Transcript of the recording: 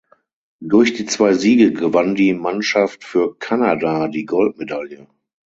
Durch die zwei Siege gewann die Mannschaft für Kanada die Goldmedaille.